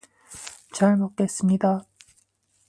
잘 먹겠습니다.